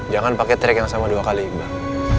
jangan pakai trik yang sama dua kali imbang